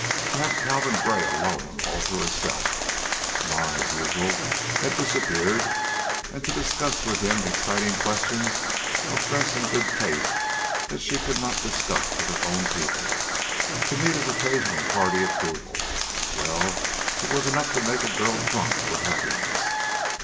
To have Calvin Gray alone, all to herself Ma, as usual, had disappeared and to discuss with him exciting questions of dress and good taste that she could not discuss with her own people; to meet his occasional hearty approval well, it was enough to make a girl drunk with happiness.